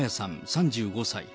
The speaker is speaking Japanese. ３５歳。